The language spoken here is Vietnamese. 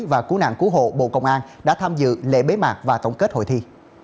và cú nạn cú hộ bộ công an đã tham dự lễ bế mạc và tổng kết hội thi